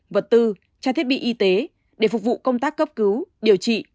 vật tư trang thiết bị y tế để phục vụ công tác cấp cứu điều trị